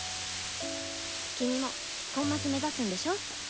君もコンマス目指すんでしょう？